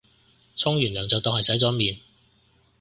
沖完涼就當係洗咗面